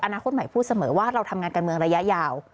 อนาคตใหม่พูดเสมอว่าเราทำงานการเมืองระยะยาว